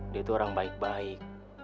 dia itu orang baik baik